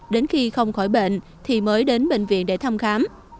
đến khi không khỏi bệnh thì mới đến bệnh viện để thăm khám